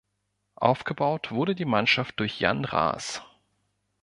Aufgebaut wurde die Mannschaft durch Jan Raas.